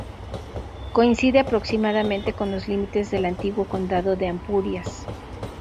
Coincide aproximadamente con los límites del antiguo condado de Ampurias.